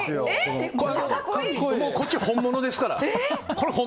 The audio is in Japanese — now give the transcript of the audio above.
こっちは本物ですから。